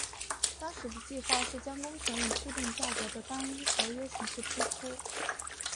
当时的计划是将工程以固定价格的单一合约形式批出。